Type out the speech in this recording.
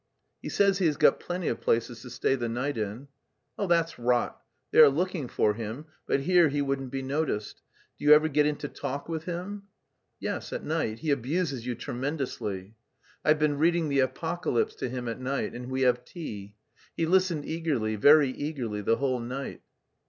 "He says he has got plenty of places to stay the night in." "That's rot; they are looking for him, but here he wouldn't be noticed. Do you ever get into talk with him?" "Yes, at night. He abuses you tremendously. I've been reading the 'Apocalypse' to him at night, and we have tea. He listened eagerly, very eagerly, the whole night."